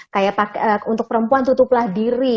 kayak untuk perempuan tutuplah diri